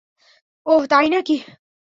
ওহ, তাই না-কি?